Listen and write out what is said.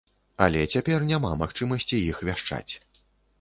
Але цяпер няма магчымасці іх вяшчаць.